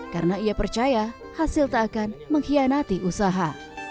karena ia percaya hasil tak akan mengkhianati usaha